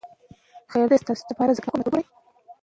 مستعار نوم په سمه توګه وکاروه.